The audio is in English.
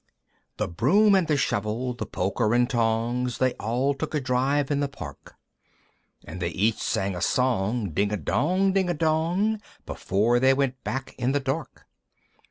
I. The Broom and the Shovel, the Poker and Tongs, They all took a drive in the Park, And they each sang a song, Ding a dong! Ding a dong! Before they went back in the dark.